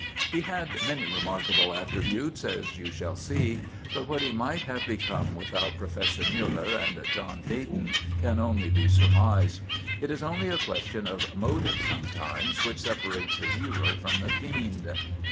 He had many remarkable attributes, as you shall see, but what he might have become without Professor Miiller and John Dayton can only be surmised. It is only a 129 130 STRIKE AT TIVERTON MANOR question of motive, sometimes, which separates the hero from the fiend.